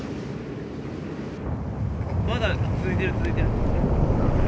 まだ続いてる続いてる。